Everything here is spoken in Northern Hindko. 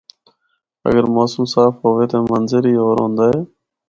اگر موسم صاف ہوے تے منظر ہی ہور ہوندا ہے۔